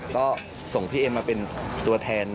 ก็ส่งพี่เอ็มมาเป็นตัวแทน